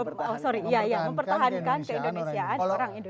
oh sorry ya ya mempertahankan keindonesiaan orang indonesia